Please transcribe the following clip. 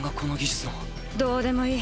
どうでもいい。